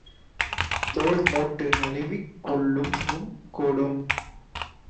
தோள் மூட்டு நழுவிக் கொள்ளவும் கூடும்.